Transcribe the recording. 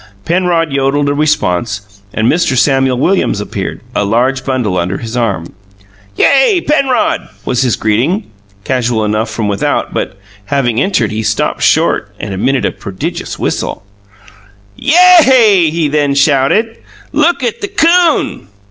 Penrod yodelled a response; and Mr. Samuel Williams appeared, a large bundle under his arm. "Yay, Penrod!" was his greeting, casual enough from without; but, having entered, he stopped short and emitted a prodigious whistle. "YA A AY!" he then shouted. "Look at the 'coon!"